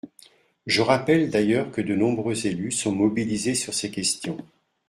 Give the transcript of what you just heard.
Je rappelle d’ailleurs que de nombreux élus sont mobilisés sur ces questions.